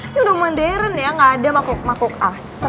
ini udah mandarin ya gak ada makhluk makhluk tahayul kayak gitu